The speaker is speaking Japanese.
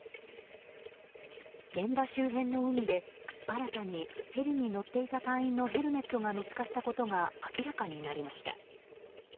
現場周辺の海で新たにヘリに乗っていた隊員のヘルメットが見つかったことが明らかになりました。